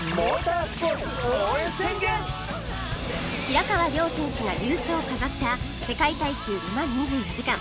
平川亮選手が優勝を飾った世界耐久ル・マン２４時間